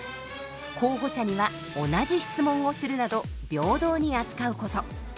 「候補者には同じ質問をする」など平等に扱うこと。